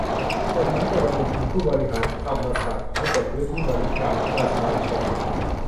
จดหมายเปิดผนึกถึงผู้บริหารธรรมศาสตร์ขอให้เปิดพื้นที่บริการประชาชน